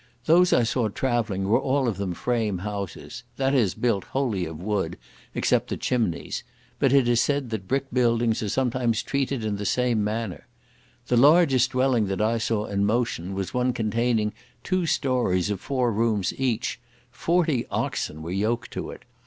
Those I saw travelling were all of them frame houses, that is, built wholly of wood, except the chimneys; but it is said that brick buildings are sometimes treated in the same manner. The largest dwelling that I saw in motion was one containing two stories of four rooms each; forty oxen were yoked to it.